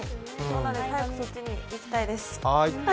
早くそっちに行きたいです。